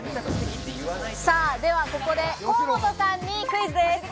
ではここで河本さんにクイズです。